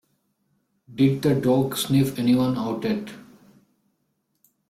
Did the dog sniff anyone out yet?